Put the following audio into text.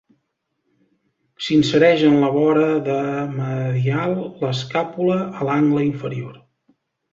S'insereix en la vora de medial l'escàpula, a l'angle inferior.